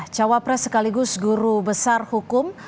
cawa pres sekaligus guru besar hukum